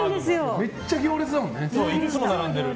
めっちゃ行列だもんね。